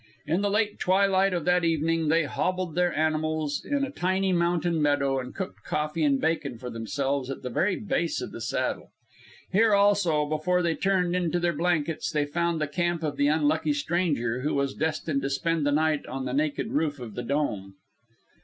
In the late twilight of that evening they hobbled their animals in a tiny mountain meadow, and cooked coffee and bacon for themselves at the very base of the Saddle. Here, also, before they turned into their blankets, they found the camp of the unlucky stranger who was destined to spend the night on the naked roof of the Dome.